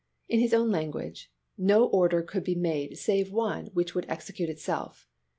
In his own language :" No order could be made save one which would execute itself."